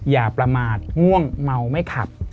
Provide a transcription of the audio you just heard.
อย่าประมาทง่วงเมาไม่ขับ